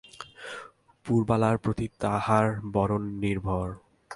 পুরবালার প্রতি তাঁহার বড়ো নির্ভর।